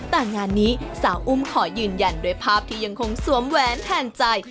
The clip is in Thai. แต่งานนี้สาวอุ้มขอยืนยันด้วยภาพที่ยังคงสวมแหวนแทนใจ